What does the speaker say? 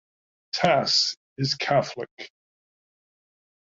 Tass is Catholic.